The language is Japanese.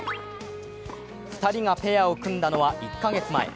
２人がペアを組んだのは１カ月前。